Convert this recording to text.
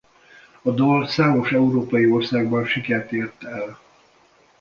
A dal számos európai országban sikert ért el.